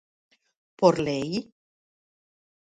¿Por lei?